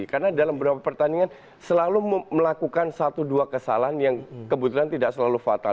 karena dalam beberapa pertandingan selalu melakukan satu dua kesalahan yang kebetulan tidak selalu fatal